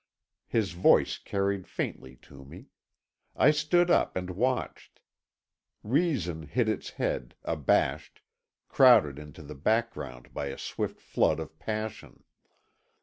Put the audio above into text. His voice carried faintly to me. I stood up and watched. Reason hid its head, abashed, crowded into the background by a swift flood of passion.